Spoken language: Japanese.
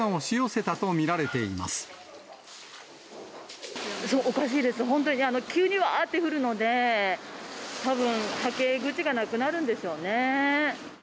そう、おかしいです、本当に急にわーって降るので、たぶん、はけ口がなくなるんでしょうね。